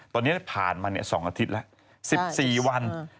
ตอนนี้ผ่านมา๒อาทิตย์แล้ว๑๔วัน